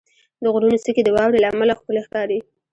• د غرونو څوکې د واورې له امله ښکلي ښکاري.